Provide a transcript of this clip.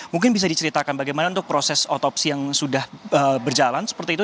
mungkin bisa diceritakan bagaimana untuk proses otopsi yang sudah berjalan seperti itu